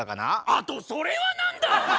あとそれは何だ！